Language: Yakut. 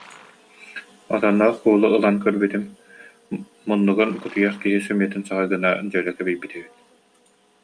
Отонноох куулу ылан көрбүтүм: муннугун кутуйах киһи сөмүйэтин саҕа гына дьөлө кэбийбит эбит